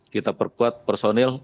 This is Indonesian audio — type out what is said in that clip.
kita perkuat personil